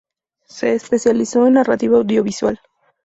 Se especializó en Narrativa Audiovisual.